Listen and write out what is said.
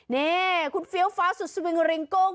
นี่คุณเฟี้ยวฟ้าสุดสวิงริงโก้ง